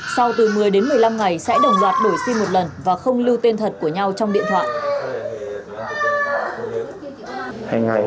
sau từ một mươi đến một mươi năm ngày